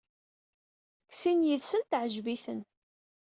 Deg sin yid-sen teɛjeb-iten.